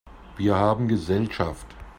Wir haben Gesellschaft!